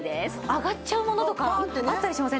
上がっちゃうものとかあったりしません？